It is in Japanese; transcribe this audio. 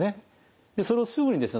それをすぐにですね